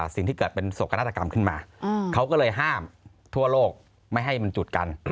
สิ่งที่เกิดเป็นโศกนาฏกรรมขึ้นมาเขาก็เลยห้ามทั่วโลกไม่ให้มันจุดกัน